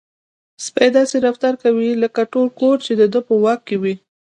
سپی داسې رفتار کوي لکه ټول کور چې د ده په واک کې وي.